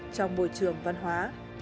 trong môi trường văn hóa